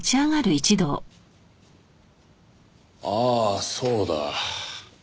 ああそうだ。